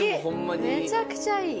めちゃくちゃいい。